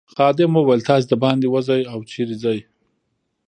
خادم وویل تاسي دباندې وزئ او چیرته ځئ.